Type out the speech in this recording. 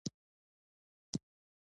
د امو سیند شمال ترکانو ونیو